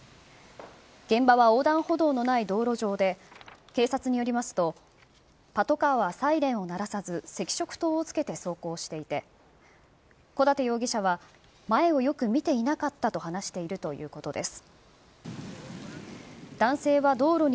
現場は横断歩道のない道路上で、警察によりますと、パトカーはサイレンを鳴らさず、赤色灯をつけて走行していて、小舘容疑者は前をよく見ていなかったと話しているということです。